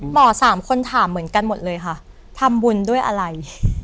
สามคนถามเหมือนกันหมดเลยค่ะทำบุญด้วยอะไร